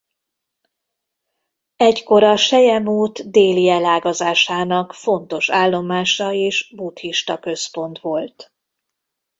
Egykor a selyemút déli elágazásának fontos állomása és buddhista központ volt.